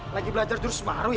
lagi belajar jurus maru ya